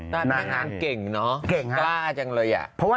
ดำเนินคดีต่อไปนั่นเองครับ